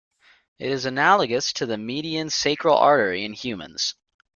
It is analogous to the median sacral artery in humans.